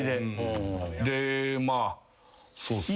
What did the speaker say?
でまあそうっすね。